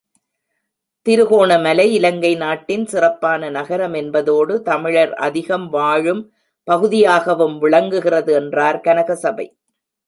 திருகோணமலை இலங்கை நாட்டின் சிறப்பான நகரம் என்பதோடு, தமிழர் அதிகம் வாழும் பகுதியாகவும் விளங்குகிறது, என்றார் கனக சபை.